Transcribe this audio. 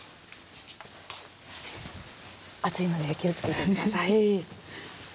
熱いので気をつけて下さい。